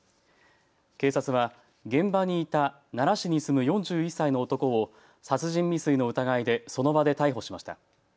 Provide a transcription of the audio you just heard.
警察は現場にいた奈良市に住む４１歳の男を殺人未遂の疑いでその場で逮捕しました。